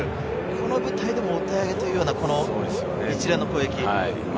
この舞台でもお手上げというような一連の攻撃。